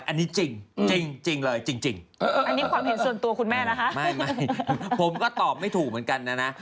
ไม่ผมก็ตอบไม่ถูกเหมือนกันนะนะ